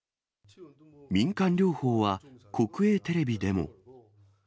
民間療法は、国営テレビでも。